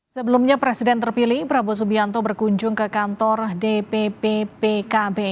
sebelumnya presiden terpilih prabowo subianto berkunjung ke kantor dpp pkb